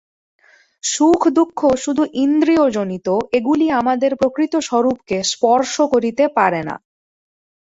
সুখদুঃখ শুধু ইন্দ্রিয়জনিত, এগুলি আমাদের প্রকৃত স্বরূপকে স্পর্শ করিতে পারে না।